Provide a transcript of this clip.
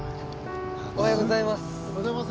おはようございます。